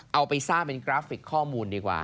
เอาไปสร้างเป็นกราฟิกข้อมูลดีกว่า